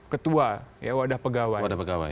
ketua wadah pegawai